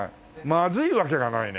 まずいわけがないね。